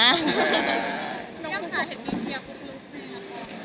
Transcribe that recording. เนี่ยมันไงค่ะเศรษฐีเชียร์พูปกลุ้บมั้ย